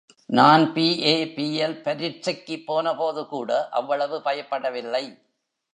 நான் B A., B L பரிட்சைக்குப் போனபோதுகூட அவ்வளவு பயப்படவில்லை.